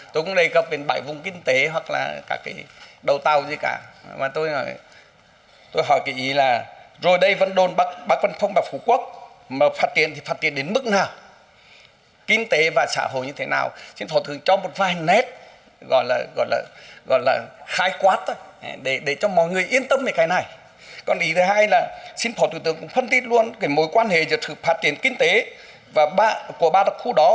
đồng thời xin phó thủ tướng phân tích mối quan hệ giữa sự phát triển kinh tế của ba đặc khu đó